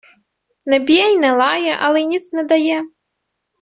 Не б'є й не лає, але й ніц не дає.